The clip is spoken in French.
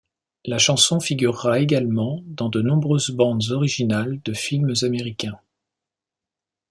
La chanson figurera également dans de nombreuses bandes originales de films américains.